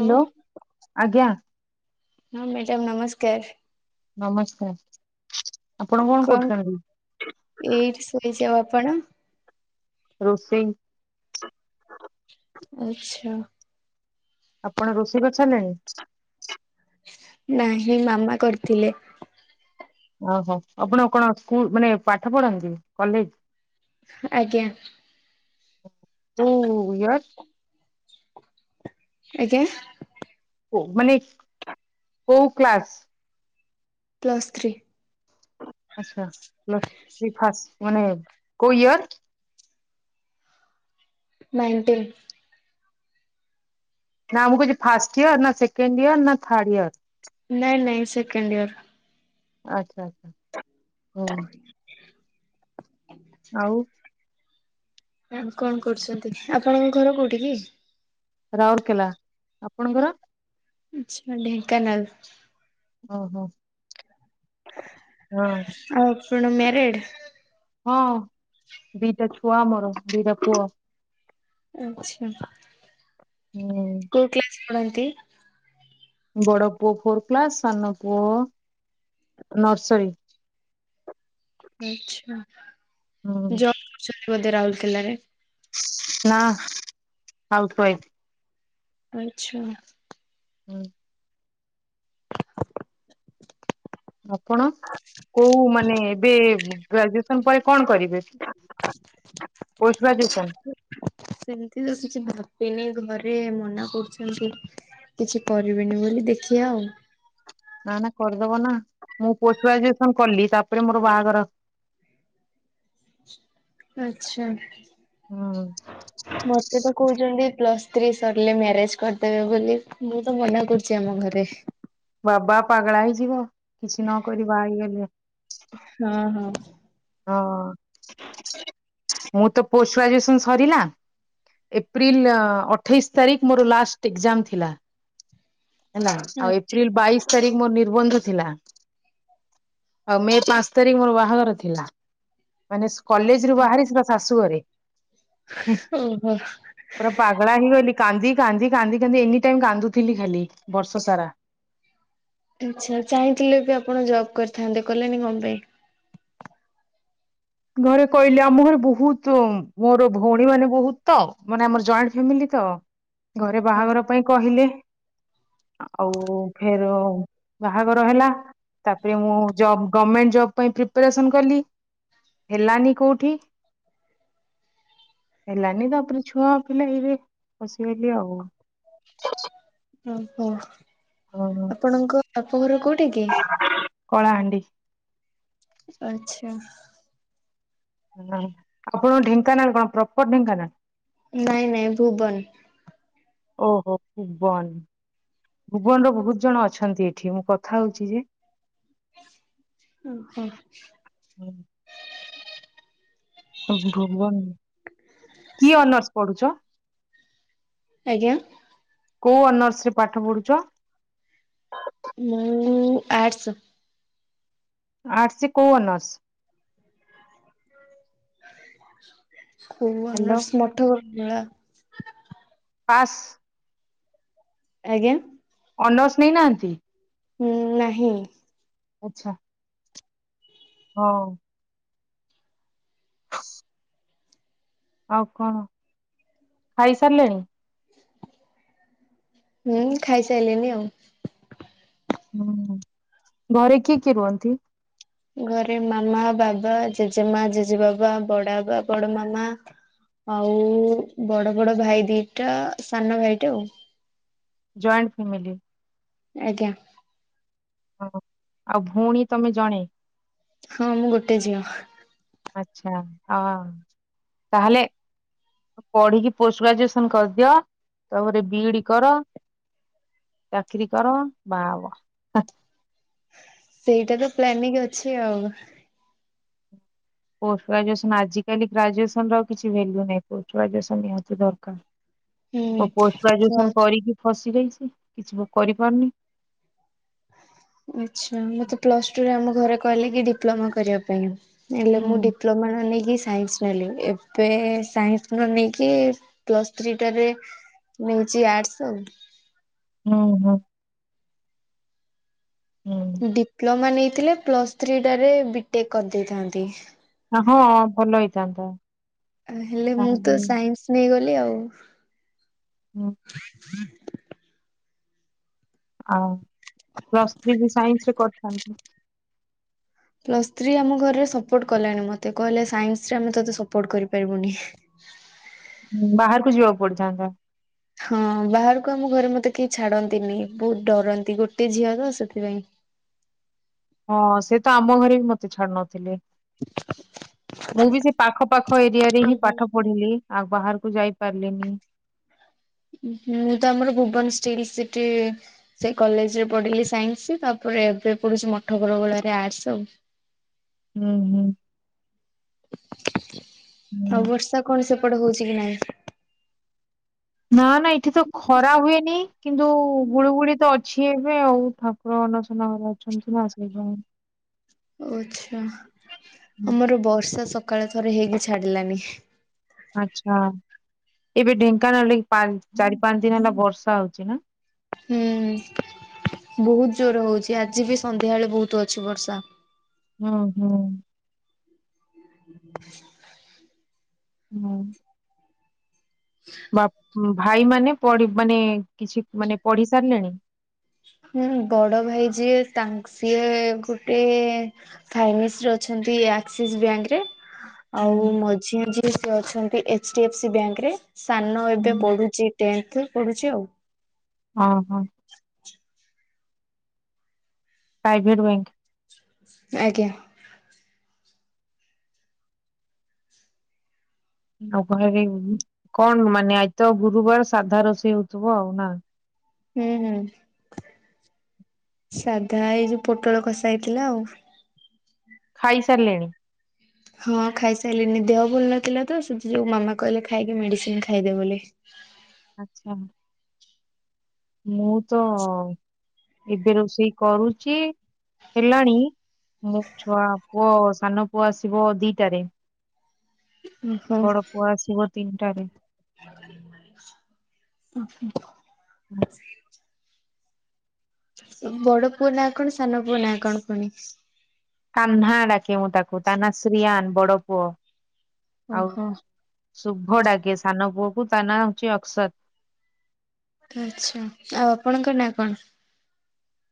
Hello ଆଜ୍ଞା। ହଁ madam ନମସ୍କାର। ନମସ୍କାର ଆପଣ କଣ କରୁଛନ୍ତି? ଏଇଠି ଶୋଇଛି ଆଉ ଆପଣ? ରୋଷେଇ। ଆଛା। ଆପଣ ରୋଷେଇ କରିସାରିଲେଣି? ନାହିଁ ମାମା କରିଥିଲେ। ଓହୋ। ଆପଣ କଣ ସ୍କୁଲ ମାନେ ପାଠ ପଢ଼ନ୍ତି? କଲେଜ ଆଜ୍ଞା। କୋଉ ଇୟର? ଆଜ୍ଞା! ଓ ମାନେ କୋଉ କ୍ଲାସ୍? Plus three. ଆଛା ପ୍ଲସ୍ ଥ୍ରୀ ଫାଷ୍ଟ୍ ମାନେ କୋଉ ଇୟର? ନାଇଣ୍ଟିନ୍। ନା ମୁଁ କୋହୁଛି ଫାଷ୍ଟ ଇୟର ନା ସେକେଣ୍ଡ ଇୟର ନା ଥାର୍ଡେ ଇୟର? ନାଇଁ ନାଇଁ ସେକେଣ୍ଡ ଇୟର। ଆଚ୍ଛା ଆଛା ହୁଁ। ଆଉ ଆଉ କଣ କରୁଛନ୍ତି? ଆପଣଙ୍କ ଘର କୋଉଠି କି? ରାଉରକେଲା। ଆପଣଙ୍କର? ଆଚ୍ଛା ଢେଙ୍କାନାଳ। ହଉ ହଉ ହଁ। ଆଉ ଆପଣ ମ୍ୟାରଡ଼୍? ହଁ। ଦିଟା ଛୁଆ ମୋର ଦିଟା ପୁଅ। ଆଚ୍ଛା ହୁଁ କୋଉ କ୍ଲାସ ପଢ଼ନ୍ତି? ବଡ଼ ପୁଅ ଫୋର କ୍ଲାସ୍, ସାନ ପୁଅ ନର୍ସରୀ। ଆଚ୍ଛା। ହୁଁ ଜବ୍ କରଛନ୍ତି ବୋଧେ ରାଉରକେଲାରେ। ନାଁ। Housewife. ଆଚ୍ଛା। ହୁଁ। ଆପଣ କୋଉ ମାନେ ଏବେ ଗ୍ରାଜୁଏସନ୍ ପରେ କଣ କରିବେ? Post graduation? ସେମତି ତ କିଛି ଭାବିନି ଘରେ ମନା କରୁଛନ୍ତି। କିଛି କରିବେନି ବୋଲି ଦେଖିବା ଆଉ। ନା ନା କରିଦବ ନା। ମୁଁ ପୋଷ୍ଟ ଗ୍ରାଜୁଏସନ୍ କଲି ତାପରେ ମୋର ବାହାଘର ଆଚ୍ଛା। ହୁଁ। ମତେ ତ କହୁଛନ୍ତି ପ୍ଲସ୍ ଥ୍ରୀ ସରିଲେ ମ୍ୟାରେଜ କରିଦେବେ ବୋଲି। ମୁଁ ତ ମନା କରୁଛି ଆମ ଘରେ। ବାବା ପାଗଳା ହେଇଯିବ କିଛି ନକରି ବାହା ହେଇଗଲେ। ହଁ ହଁ। ହଁ ମୁଁ ତ ପୋଷ୍ଟ ଗ୍ରାଜୁଏସନ୍ ସରିଲା। ଏପ୍ରିଲ ଅଠେଇଶ ତାରିଖ ମୋର ଲାଷ୍ଟ୍ ଏକ୍ଜାମ ଥିଲା। ହେଲା ଆଉ ଆଛା ଏପ୍ରିିଲ୍ ବାଇଶ ତାରିଖ ମୋର ନିର୍ବନ୍ଧ ଥିଲା। ଆଉ ମେ ପାଞ୍ଚ ତାରିଖ ମୋର ବାହାଘର ଥିଲା। ମାନେ କଲେଜ୍ ରୁ ବାହାରି ସିଧା ଶାଶୁଘରେ। ଓହୋ। ପୁରା ପାଗଳା ହେଇଗଲି। କାନ୍ଦି କାନ୍ଦି କାନ୍ଦି କାନ୍ଦି ଏନି ଟାଇମ କାନ୍ଦୁଥିଲି ଖାଲି ବର୍ଷ ସାରା। ଆଚ୍ଛା। ଚାହିଁଥିଲେ ବି ଆପଣ ଜବ୍ କରିଥାନ୍ତେ। କଲେନି କଣ ପାଇଁ? ଘରେ କହିଲେ ଆମ ଘରେ ବହୁତ ମୋର ଭଉଣୀ ମାନେ ବହୁତ ତ ମାନେ ଆମର ଜଏଣ୍ଟ ଫାମିଲି ତ ଘରେ ହଁ ବାହାଘର ପାଇଁ କହିଲେ। ଆଉ ଫେରଉ ବାହାଘର ହେଲା। ତାପରେ ମୁଁ ଜବ ଗମେଣ୍ଟ ଜବ୍ ପାଇଁ ପ୍ରିପାରେସନ କଲି। ହେଲାନି କୋଉଠି। ହେଲାନି ତାପରେ ଛୁଆ ପିଲା ଏଇବେ ଫସିଗଲି ଆଉ। ଓ ହୋ। ହଁ ହଁ। ଆପଣଙ୍କ ବାପଘର କୋଉଠି କି? କଳାହାଣ୍ଡି। ଆଚ୍ଛା। ହଁ ଆପଣଙ୍କ ଢେଙ୍କାନାଳ କଣ ପ୍ରପର ଢେଙ୍କାନାଳ? ନାଇଁ ନାଇଁ ଭୁବନ। ଓହୋ ଭୁବନ। ଭୁବନରୁ ବହୁତ ଜଣ ଅଛନ୍ତି ଏଠି ମୁଁ କଥା ହଉଛି ଯେ ଓ ହୋ। ହୁଁ। ଭୁବନ କି ଅନର୍ସ ପଢୁଛ? ଆଜ୍ଞା। କୋଉ ଅନର୍ସ ରେ ପାଠ ପଢୁଛ? ମୁଁ ଆର୍ଟସ। ଆର୍ଟସରେ କୋଉ ଅନର୍ସ? କୋଉ ହ୍ୟାଲୋ ଅନର୍ସ ମଠକରଗଳା। ପାସ୍ ଆଜ୍ଞା। ଅନର୍ସ ନେଇନାହାଁନ୍ତି? ହୁଁ ନାହିଁ। ଆଚ୍ଛା। ହୋଉ। ଆଉ କଣ ଖାଇ ସାରିଲେଣି? ହୁଁ ଖାଇ ସାରିଲଣିି ଆଉ। ଓହୋଃ ଘରେ କିଏ କିଏ ରୁହନ୍ତି? ଘରେ ମାମା ବାବା ଜେଜେମା ଜେଜେ ବାବା ବଡ ବାବା ବଡ ମାମା ଆଉ ବଡ ବଡ ଭାଇ ଦିଟା ସାନ ଭାଇଟା ଆଉ। Joint family. ଆଜ୍ଞା। ହ ଆଉ ଭଉଣୀ ତମେ ଜଣେ? ହଁ ମୁଁ ଗୋଟେ ଝିଅ। ଆଚ୍ଛା ହ ତାହଲେ ପଢିକି ପୋଷ୍ଟ ଗ୍ରାଜୁଏସନ କରିଦିଅ ତାପରେ ବି ଡି କର। ଚାକିରୀ କର ବାଆ ହୁଅ। ସେଇଟା ତ ପ୍ଲାନିଙ୍ଗ ଅଛି ଆଉ। ପୋଷ୍ଟ ଗ୍ରାଜୁଏସନ୍ ଆଜିକାଲି ଗ୍ରାଜୁଏସନ ର କିଛି ଭାଲ୍ୟୁ ନାହିଁ ପୋଷ୍ଟ ଗ୍ରାଜୁଏସନ୍ ନିହାତି ଦରକାର। ହୁଁ ମୁଁ ପୋଷ୍ଟ ଗ୍ରାଜୁଏସନ କରିକି ଫସି ରହିଛି କିଛି ମୁଁ କରିପାରୁନି। ଆଚ୍ଛା ମତେ ପ୍ଲସ୍ ଟୁରେ ଆମ ଘରେ କହିଲେ କି ଡିପ୍ଲୋମା କରିବା ପାଇଁ ହେଲେ ମୁଁ ଡ଼ି ହୁଁ। ପ୍ରମିଳା ନେଇକି ସାଇନ୍ସି ନେଲି। ଏବେ ସାଇନ୍ସି ନ ନେଇକି ପ୍ଲସ୍ ଥ୍ରୀ ଟାରେ ନେଉଛି ଆର୍ଟସ୍ ଆଉ। ଉଁ ହଁ। ଡିପ୍ଲୋମା ନେଇଥିଲେ ପ୍ଲସ୍ ଥ୍ରୀ ଟାରେ ବିଟେକ୍ କଦେଇଥାନ୍ତି। ଆଁହଁ ଭଲ ହେଇଥାନ୍ତା। ହେଲେ ମୁଁ ତ ତାହେଲେ ସାଇନ୍ସି ନେଇଗଲି ଆଉ। ହୁଁ। ହୁଁ ଆଉ। ପ୍ଲସ୍ ଥ୍ରୀ ବି ସାଇନ୍ସି ବି କରିଥାନ୍ତି। ପ୍ଲସ୍ ସ୍ତ୍ରୀ ଆମ ଘରେ ସପୋର୍ଟ କଲାଣି ମତେ କହିଲା ସାଇନ୍ସି ରେ ଆମେ ତତେ ସପୋର୍ଟ କରିପାରିବୁନି। ହୁଁ ବାହାରକୁ ଯିବାକୁ ପଡିଥାନ୍ତା। ହଁ ବାହାରକୁ ଆମ ଘରେ ମତେ କେହି ଛାଡନ୍ତିନି ବହୁତୁ ଡରନ୍ତି ଗୋଟେ ଝିଅ ତ ସେଥିପାଇଁ। ହଁ ସେ ତ ଆମ ଘରେ ବି ମତେ ଛାଡୁ ନଥିଲେ। [inaudible] ମୁଁ ବି ସେ ପାଖ ପାଖ ଏରିଆ ରେ ହିଁ ଓହୋ। ପାଠ ପଢିଲି ଆଉ ବାହାରକୁ ଯାଇ ପାରିଲିନି। ହୁଁ ମୁଁ ତ ଆମର ଭୁବନ ଷ୍ଟିଲ୍ ସିଟି ସେ କଲେଜେ ରେ ପଢିଲି ସାଇନ୍ସି ତାପରେ ଏବେ ପଢୁଛି ମଠକରଗୋଳାରେ ଆର୍ଟସ ଆଉ। ହୁଁ ହୁଁ। ହୁଁ। ଆଉ ବର୍ଷା କଣ ସେପଟେ ହଉଛି କି ନାଇଁ? ହଁ ନାଇଁ ଏଠି ତ ଖରା ହୁଏନି। କିନ୍ତୁ ଗୁଳୁଗୁଳି ତ ଅ ଛି ଏ ନୁହେଁ ଆଉ। ଠାକୁର ଅନଶନ ଘରେ ଅଛନ୍ତି ନା ସେହିଁ ପାଇଁ। ଓ ଆଚ୍ଛା। ହୁଁ ଆମର ବର୍ଷା ସକାଳେ ଥରେ ହେଇକି ଛାଡିଲାନି। ଆଚ୍ଛା। ଏବେ ଢେଙ୍କାନାଳରେ ପା ଚାରି ପାଞ୍ଚ ଦିନ ହେଲା ବର୍ଷା ହଉଛି ନାଁ? ହୁଁ ହୁଁ। ବହୁତୁ ଜୋର ହଉଛି ଆଜି ବି ସନ୍ଧ୍ୟାବେଳେ ବହୁତୁ ଅଛି ବର୍ଷା। ଓ ହଉଁ। [inaudible] ହଉଁ। [inaudible] ବାପ୍। ଭାଇ ମାନେ ପଢି ମାନେ। କିଛି ମାନେ ପଢି ସାରିଲେଣି? ହୁଁ ବଡ଼ ଭାଇ ଯିଏ ତାଙ୍କ ସିଏ ଗୋଟେ ଫାଇନିନ୍ସି ରେ ଅଛନ୍ତି ଆକ୍ସିସ୍ ବ୍ୟାଙ୍କ ରେ ହୁଁ ଆଉ ମଝିଆଁ ଯିଏ ସିଏ ଅଛନ୍ତି H D F C bank ରେ। ସାନ ଏବେ ହୁଁ ପଢୁଛି ଟେନ୍ଥ ପଢୁଚି ଆଉ। ହଁ ହଁ। Private bank. ଆଜ୍ଞା। ଆଉ ଉପହାର ହେଇନି। କଣ ମାନେ ଆଜି ତ ଗୁରୁବାର ସାଧା ରୋଷେଇ ହଉଥିବ ଆଉ ନାଁ? ହୁଁ ହୁଁ। ସାଧା ଏଇ ଯୋଉ ପୋଟଳ କଷା ହେଇଥିଲା ଆଉ। ଖାଇସାରିଲେଣି? ହଁ ଖାଇସାରିଲିନି ଦେହ ଭଲ ନଥିଲା ତ ସେଥି ଯୋଗୁ ମାମା କହିଲେ ଖାଇକି ମେଡିସିନି ଖାଇଦେ ବୋଲି। ଆଚ୍ଛା। ମୁଁ ତ। ଏବେ ରୋଷେଇ କରୁଚି ହେଲାଣି। ମୋ ଛୁଆ ପୁଅ ସାନ ପୁଅ ଆସିବ ଦିଟାରେ। ଓହୋ। ବଡ ପୁଅ ଆସିବ ତିନିଟାରେ ଓ ହୋ। ହୁଁ। ତମ ବଡ ପୁଅ ନା କଣ ସାନ ପୁଅ ନାଁ କଣ ପୁଣି? କାହ୍ନା ଡାକେ ମୁଁ ତାକୁ ତା ନା ଶ୍ରୀିୟାନ ବଡ ପୁଅ। ଆଉ ଓହୋ। ଶୁଭ ଡାକେ ସାନ ପୁଅ କୁ ତା ନାଁ ହଉଛି ଅକସର। ଆଚ୍ଛା ଆଉ ଆପଣଙ୍କ ନା କଣ?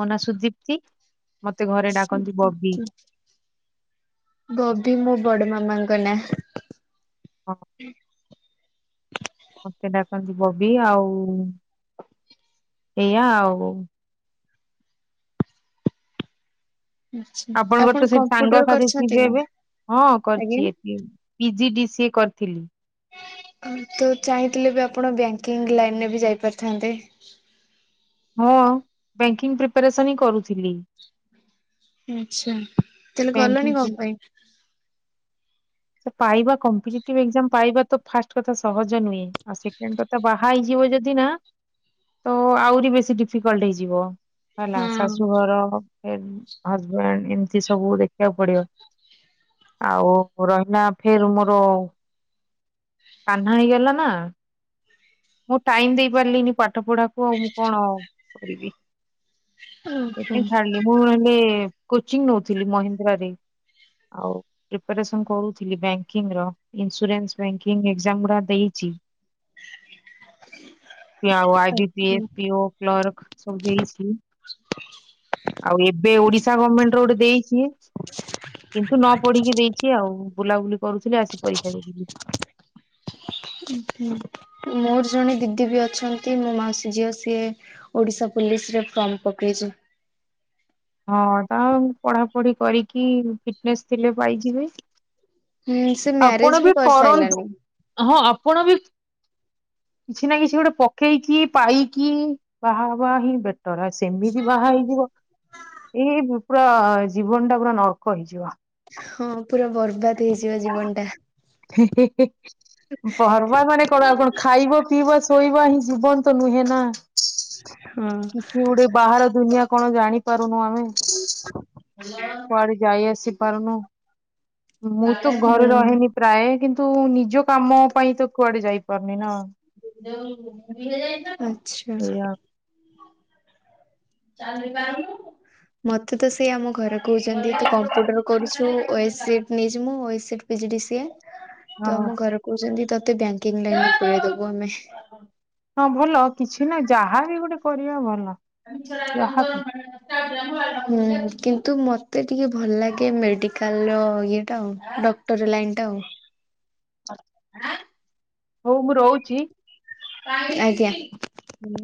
ମୋ ନାଁ ସୁଦୀପ୍ତି ମତେ ଘରେ ଡାକନ୍ତି ବବି। ବବି ମୋ ବଡ ମାମାଙ୍କ ନାଁ। ହଁ ହୁଁ। ମତେ ଡାକନ୍ତି ବବି ଆଉ ଏଇଆ ଆଉ। ଆପଣଙ୍କର ଆପଣ ତ ସେଠି ସାଙ୍ଗ କମ୍ପ୍ୟୁଟର ସାଥି କରିଛନ୍ତି ଥିବେ ନା? ଏବେ ହଁ ଆଜ୍ଞା କରଚି ଏତି। ପିଜି ଡି ସିଏ କରିଥିଲି। ତ ଚାହିଁଥିଲେ ବି ଆପଣ ବ୍ୟାଙ୍କିଙ୍ଗ ଲାଇନ ରେ ବି ଯାଇପାରିଥାନ୍ତେ। ମୁଁ ବ୍ୟାଙ୍କିଙ୍ଗ ପ୍ରିପାରେସନ୍ ହିଁ କରୁଥିଲି। ଆଛା ତାହେଲେ ଗଲନି କଁ ବ୍ୟାଙ୍କିଙ୍ଗ ପାଇଁ? ସେ ପାଇବା କମ୍ପିଟେଟିଭ ଏକ୍ଜାମ ପାଇବା ତ ଫାଷ୍ଟ କଥା ସହଜ ନୁହେଁ ଆଉ ସେକେଣ୍ଡ କଥା ବାହା ହେଇଯିବ ଯଦି ନା ତ ଆହୁରି ବେଶୀ ଡିଫିକଲ୍ଟ ହେଇଯିବ ହେଲା ହଁ ଶାଶୁଘର ଏ ହଜବ୍ୟାଣ୍ଡ ଏମିତି ସବୁ ଦେଖିବାକୁ ପଡିବ ଆଉ ମୋ ରହିଲା ଫେର ମୋର କାହ୍ନା ହେଇଗଲା ନା। ମୁଁ ଟାଇମ ଦେଇ ପାରିଲିନି ପାଠ ପଢାକୁ ଆଉ ମୁଁ କଣ କରିବି। ସେ ଓହୋ ପାଇଁ ଛାଡିଲି ମୁଁ ହେଲେ କୋଚିଂ ନଉଥିଲି ମହେନ୍ଦ୍ରା ରେ। ଆଉ ପ୍ରିପେରେସନ କରୁଥିଲି ବ୍ୟାଙ୍କିଙ୍ଗ ର ଇନ୍ସାନ୍ସ ବେଙ୍କିଙ୍ଗ ଏଗଜାମ ଗୁଡା ଦେଇଛି। ଆଉ ଆଇ ବି ପି ଏ ଆଚ୍ଛା। ପି ପିଓ କ୍ଲର୍କ ସବୁ ଦେଇଛି। ଆଉ ଏବେ ଓଡିଶା ଗମେଣ୍ଟ ର ଗୋଟେ ଦେଇଚି। କିନ୍ତୁ ନ ପଢିକି ଦେଇଚି ଆଉ ବୁଲାବୁଲି କରୁଥିଲି ଆସି ପରୀକ୍ଷା ଦେଇଦେଲି। ଉଁ ହୁଁ ମୋର ଜଣେ ଦିଦି ବି ଅଛନ୍ତି ମୋ ମାଉସୀ ଝିଅ ସିଏ ଓଡ଼ିଶା ପୋଲିସ ରେ ଫର୍ମ ପକେଇଛି। ହଁ ତା ପଢାପଢି କରିକି ଫିଟନେସ୍ ଥିଲେ ପାଇଯିବେ। ହୁଁ ସେ ଆପଣ ମ୍ୟାରେଜ ବି କରନ୍ତୁ କରିସାଇଲାନି। ହଁ ଆପଣ ବି କିଛି ନା କିଛି ଗୋଟେ ପକେଇକି ପାଇକି ବାହା ହବା ହିଁ ବେଟର ଆ ସେମିତି ବାହା ହେଇଯିବ। ଏଇ ଭୁ ପୁରା ଜୀବନ ଟା ପୁରା ନର୍କ ହେଇଯିବ। ହଁ ପୁରା ବର୍ବାଦ ହେଇଯିବ ଜୀବନ ଟା। [unintelligible] ପର୍ବା ମାନେ ଆଉ କଣ ଖାଇବ ପିଇବ ଶୋଇବା ହିଁ ଜୀବନ ତ ନୁହେଁ ନା। ହଁ। କିଛି ଗୋଟେ ବାହାର ଦୁନିଆ କଣ ଜାଣିପାରୁନୁ ଆମେ। କୁଆଡେ ଯାଇ ଆସି ପାରୁନୁ। ମୁଁ ତ ଘରେ ରହେନି। ପ୍ରାୟ କିନ୍ତୁ ନିଜ କାମ ପାଇଁ ତ କୁଆଡେ ଯାଇପାରୁନି ନା। ଆଛା। ଏଇଆ ମତେ ତ ସେ ଆମ ଘରେ କହୁଚନ୍ତି ତୁ କମ୍ପୁଟର କରୁ ଓ ଏସ ସେଟ୍ ନେଇଚି ମୁଁ O S set P G D C A ହଁ ତ ଆମ ଘର କହୁଛନ୍ତି ତତେ ବ୍ୟାଙ୍କିଙ୍ଗ୍ ଲାଇନ୍ ପୁରେଇଦବୁ ଆମେ। ହଁ ଭଲ କିଛି ନାହିଁ ଯାହାବି ଗୋଟେ କରିବା ଭଲ। [unintelligible] ଯାହାବି ହୁଁ କିନ୍ତୁ ମତେ ଟିକେ ଭଲ୍ ଲାଗେ ମେଡିକାଲ୍ ର ଇଏଟା ଆଉ ଡ କ୍ଟର ଲାଇନ୍ ଟା ଆଉ। ହଉ ମୁଁ ରହୁଚି? ଆଜ୍ଞା। ହୁଁ।